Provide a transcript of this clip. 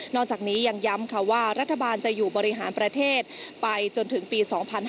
จากนี้ยังย้ำค่ะว่ารัฐบาลจะอยู่บริหารประเทศไปจนถึงปี๒๕๕๙